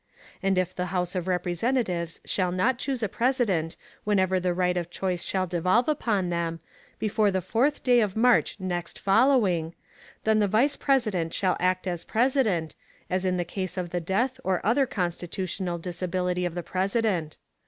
And if the House of Representatives shall not choose a President whenever the right of choice shall devolve upon them, before the fourth day of March next following, then the Vice President shall act as President, as in the case of the death or other constitutional disability of the President.